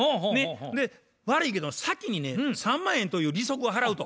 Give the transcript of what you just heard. で悪いけど先にね３万円という利息を払うと。